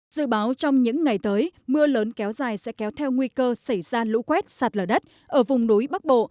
dự báo trong những ngày tới mưa lớn kéo dài sẽ kéo theo nguy cơ xảy ra lũ quét sạt lở đất ở vùng núi bắc bộ